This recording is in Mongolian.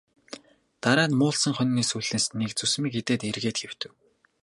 Дараа нь муулсан хонины сүүлнээс нэг зүсмийг идээд эргээд хэвтэв.